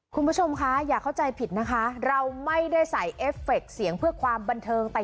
คุณผู้ชมคะอย่าเข้าใจผิดนะคะเราไม่ได้ใส่เอฟเฟคเสียงเพื่อความบันเทิงแต่